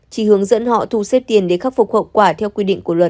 chỉ hướng dẫn họ thu xếp tiền để khắc phục hậu quả theo quy định của luật